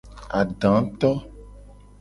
Adato.